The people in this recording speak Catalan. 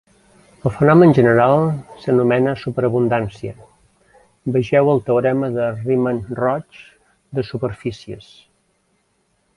El fenomen general s'anomena superabundància; vegeu el teorema de Riemann-Roch de superfícies.